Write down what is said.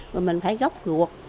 rồi mình phải gốc ruột